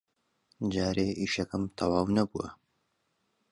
جارێ ئیشەکەم تەواو نەبووە.